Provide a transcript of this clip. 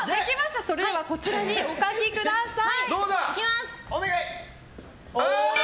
それではこちらにお書きください。